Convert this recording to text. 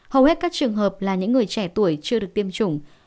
hầu hết các trường hợp là những người trẻ tuổi chưa được tiêm chủng